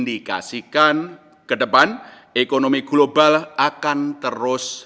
volume perdagangan dan hendak perdagangan di negara ini akan terus meningkat